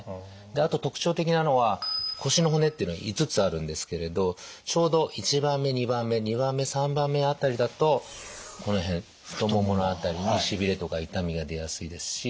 であと特徴的なのは腰の骨っていうのは５つあるんですけれどちょうど１番目２番目２番目３番目辺りだとこの辺太ももの辺りにしびれとか痛みが出やすいですし。